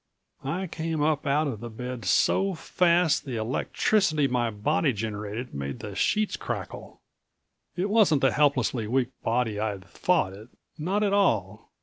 I came up out of the bed so fast the electricity my body generated made the sheets crackle. It wasn't the helplessly weak body I'd thought it. Not at all.